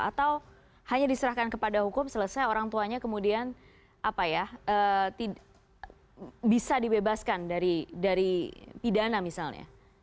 atau hanya diserahkan kepada hukum selesai orang tuanya kemudian bisa dibebaskan dari pidana misalnya